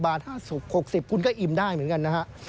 ๔๐บาท๖๐บาทคุณก็อิ่มได้เหมือนกันนะครับ